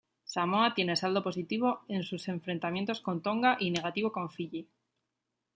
Samoa tiene saldo positivo en sus enfrentamientos con Tonga y negativo con Fiyi.